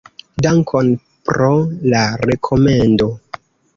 Dankon pro la rekomendo.